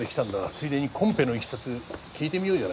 ついでにコンペのいきさつ聞いてみようじゃないか。